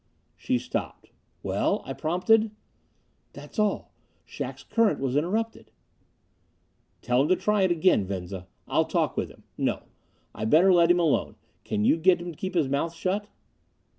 She stopped. "Well?" I prompted. "That's all. Shac's current was interrupted." "Tell him to try it again, Venza! I'll talk with him. No! I'd better let him alone. Can you get him to keep his mouth shut?"